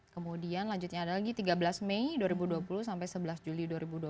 kemudian lanjutnya ada lagi tiga belas mei dua ribu dua puluh sampai sebelas juli dua ribu dua puluh